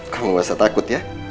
kamu gak usah takut ya